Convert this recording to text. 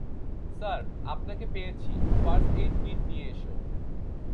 Sir, আপনাকে পেয়েছি first aid kit নিয়ে এসো।